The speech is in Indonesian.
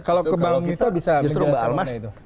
kalau kita bisa menggali asal dana itu